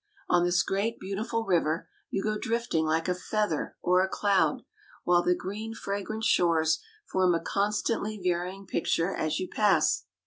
On this great, beautiful river you go drifting like a feather or a cloud; while the green, fragrant shores form a constantly varying picture as you pass.